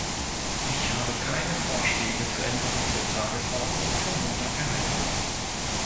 Ich habe keine Vorschläge zur Änderung der Tagesordnung für Montag erhalten.